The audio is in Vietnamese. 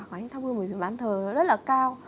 của anh thăm hương bởi vì bán thờ rất là cao